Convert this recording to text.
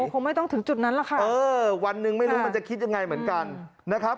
คงไม่ต้องถึงจุดนั้นแหละค่ะเออวันหนึ่งไม่รู้มันจะคิดยังไงเหมือนกันนะครับ